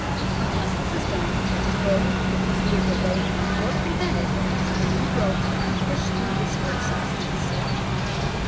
Unless this is done, growth will be either delayed or prevented, as the new growth cannot push through this hard substance.